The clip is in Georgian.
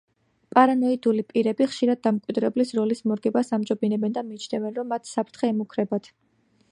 პარანოიდული პირები ხშირად დამკვირვებლის როლის მორგებას ამჯობინებენ და მიიჩნევენ, რომ მათ საფრთხე ემუქრებათ.